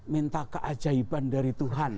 minta keajaiban dari tuhan